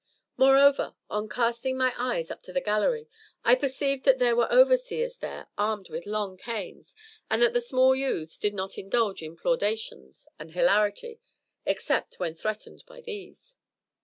Moreover, on casting my eyes up to the gallery, I perceived that there were overseers there armed with long canes, and that the small youths did not indulge in plaudations and hilarity except when threatened by these.